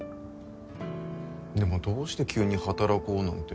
でもどうして急に働こうなんて。